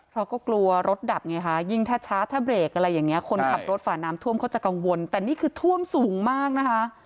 เพราะก็กลัวรถดับไงคะยิ่งถ้าช้าถ้าเบรกอะไรอย่างนี้คนขับรถฝ่าน้ำท่วมเขาจะกังวลแต่นี่คือท่วมสูงมากนะคะ